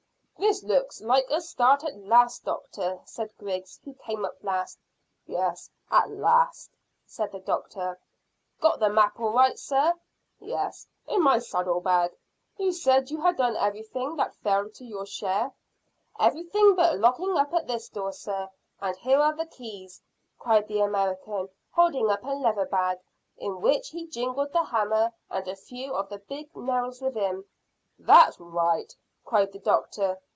"This looks like a start at last, doctor," said Griggs, who came up last. "Yes, at last," said the doctor. "Got the map all right, sir?" "Yes, in my saddle bag. You said you had done everything that fell to your share." "Everything but locking up this door, sir, and here are the keys," cried the American, holding up a leather bag, in which he jingled the hammer and a few of the big nails within. "That's right," cried the doctor.